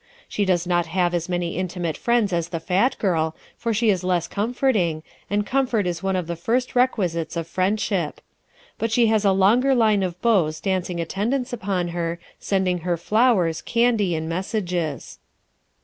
She does not have as many intimate friends as the fat girl, for she is less comforting, and comfort is one of the first requisites of friendship. But she has a longer line of beaux dancing attendance upon her, sending her flowers, candy and messages.